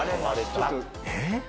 えっ？